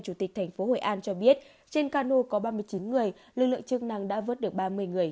chủ tịch tp hội an cho biết trên ca nô có ba mươi chín người lực lượng chức năng đã vớt được ba mươi người